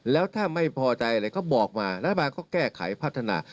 แล้วถ้าไม่พอใจอะไรก็บอกมารัฐบาลก็แก้ไขพัฒนา